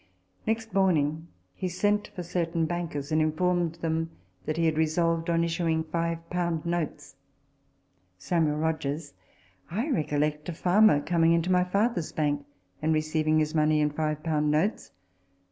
Next morning he sent for certain bankers, and informed them that he had resolved on issuing five pound notes. I recollect a farmer coming to my father's bank, and receiving his money in five pound notes.